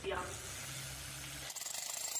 კერძო ტრანსპორტით მოძრაობა შეზღუდულია.